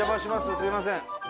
すみません。